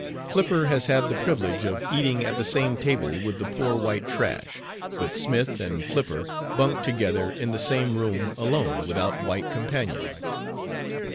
"'Flipper has had the privilege of eating at the same table with the poor white trash; but Smith and Flipper bunked together in the same room alone, without white companions.